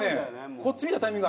こっち見たタイミング。